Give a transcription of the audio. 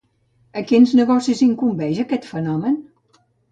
A quins negocis incumbeix aquest fenomen?